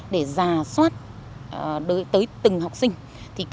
để giả soát tới từng học sinh